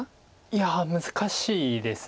いや難しいです。